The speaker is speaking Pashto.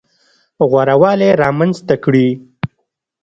غوره والی رامنځته کړي.